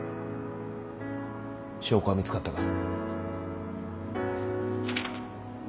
証拠は見つかったか？